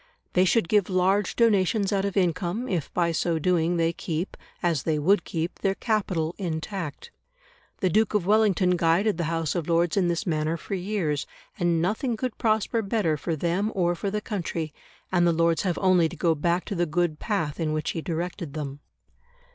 They should give large donations out of income, if by so doing they keep, as they would keep, their capital intact. The Duke of Wellington guided the House of Lords in this manner for years, and nothing could prosper better for them or for the country, and the Lords have only to go back to the good path in which he directed them.